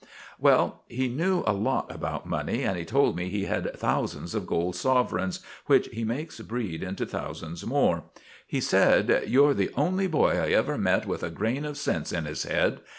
"Well, he knew a lot about money, and told me he had thousands of golden sovereigns, which he makes breed into thousands more. "He said: "'You're the only boy I ever met with a grain of sense in his head.